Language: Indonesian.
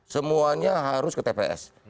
semuanya harus ke tps